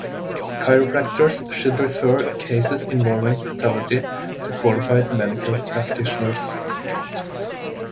Chiropractors should refer cases involving pathology to qualified medical practitioners.